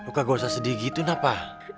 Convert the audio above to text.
nid lu gak usah sedih gitu napa